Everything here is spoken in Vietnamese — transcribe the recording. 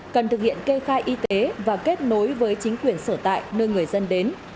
cần thực hiện kê khai y tế và kết nối với chính quyền sở tại nơi người dân đến